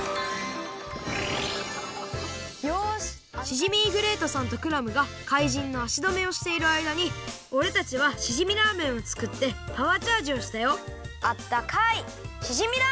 シジミーグレイトさんとクラムがかいじんのあしどめをしているあいだにおれたちはしじみラーメンをつくってパワーチャージをしたよあったかい